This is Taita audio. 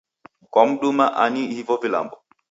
Kwamduma ani hivo vilambo?